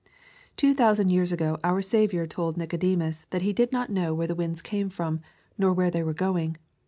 Two thousand years ago our Saviour told Nicodemus that he did not know where the [ 172 ] To California winds came from, nor where they were going.